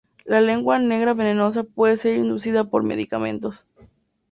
La lengua negra vellosa puede ser inducida por medicamentos.